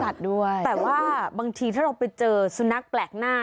แต่ว่าบางทีถ้าเราไปเจอสุนัขแปลกหน้า